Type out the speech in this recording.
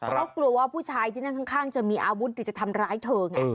เพราะกลัวว่าผู้ชายที่นั่งข้างจะมีอาวุธหรือจะทำร้ายเธอไง